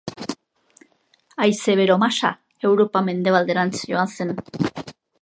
Haize bero masa Europa mendebalderantz joan zen.